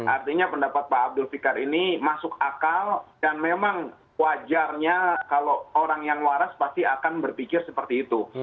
artinya pendapat pak abdul fikar ini masuk akal dan memang wajarnya kalau orang yang waras pasti akan berpikir seperti itu